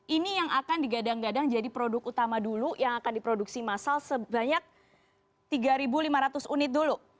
ini yang akan digadang gadang jadi produk utama dulu yang akan diproduksi massal sebanyak tiga lima ratus unit dulu